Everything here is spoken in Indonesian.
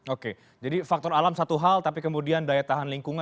oke jadi faktor alam satu hal tapi kemudian daya tahan lingkungan